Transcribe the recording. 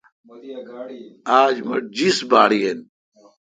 آج مٹھ جیس باڑ یین۔